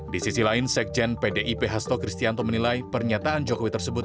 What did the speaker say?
di sisi lain sekjen pdip hasto kristianto menilai pernyataan jokowi tersebut